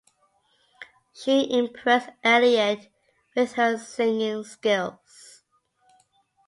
She impressed Elliot with her singing skills.